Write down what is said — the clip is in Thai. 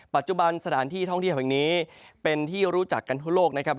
ปัจจุบันสถานที่ท่องเที่ยวแห่งนี้เป็นที่รู้จักกันทั่วโลกนะครับ